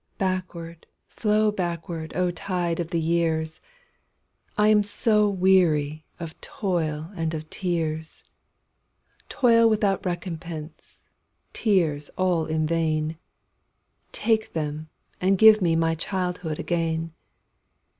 Backward, flow backward, O tide of the years!I am so weary of toil and of tears,—Toil without recompense, tears all in vain,—Take them, and give me my childhood again!